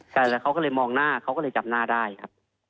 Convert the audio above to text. ใช่แล้วเขาก็เลยมองหน้าเขาก็เลยจำหน้าได้ครับ